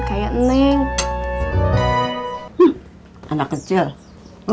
tapi berenang mana yang sometime